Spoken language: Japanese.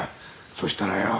そしたらよ。